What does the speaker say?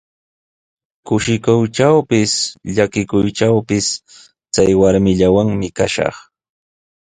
Kushikuytrawpis, llakikuytrawpis chay warmillawanmi kashaq.